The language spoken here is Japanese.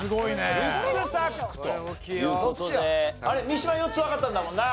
三島４つわかったんだもんな。